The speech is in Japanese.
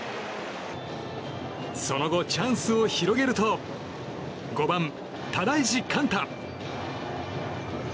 その後、チャンスを広げると５番、只石貫太。